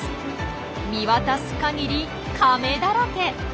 見渡す限りカメだらけ。